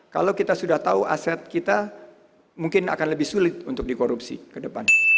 kalau kita sudah tahu aset kita mungkin akan lebih sulit untuk dikorupsi ke depan